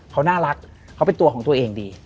เขาน่ารักเขาเป็นตัวของตัวเองดี